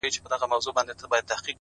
يوه څړيکه هوارې ته ولاړه ده حيرانه”